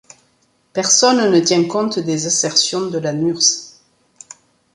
Personne ne tient compte des assertions de la nurse.